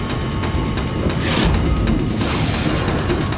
aku akan menangkanmu